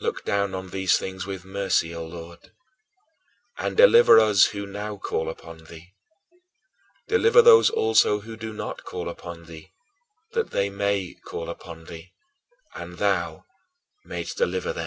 Look down on these things with mercy, O Lord, and deliver us who now call upon thee; deliver those also who do not call upon thee, that they may call upon thee, and thou mayest de